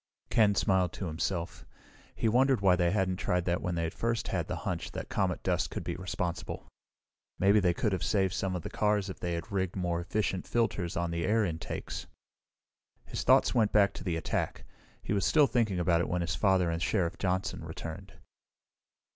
Ken smiled to himself. He wondered why they hadn't tried that when they first had the hunch that comet dust could be responsible. Maybe they could have saved some of the cars if they had rigged more efficient filters on the air intakes. His thoughts went back to the attack. He was still thinking about it when his father and Sheriff Johnson returned.